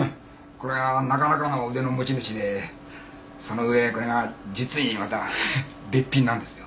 これがなかなかの腕の持ち主でその上これが実にまたべっぴんなんですよ。